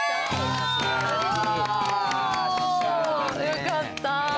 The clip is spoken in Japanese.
よかった。